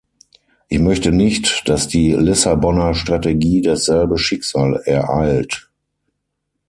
Ich möchte nicht, dass die Lissabonner Strategie dasselbe Schicksal ereilt.